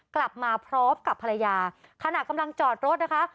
กลับมาพร้อมกับภรรยาขณะกำลังจอดรถนะคะ